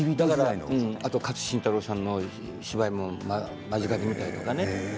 あと勝新太郎さんの芝居も間近で見てですね。